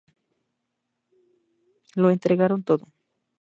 Lo entregaron todo.